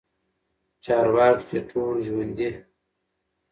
چارواکي چې ټول ژوندي